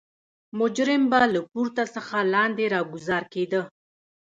مجرم به له پورته څخه لاندې راګوزار کېده.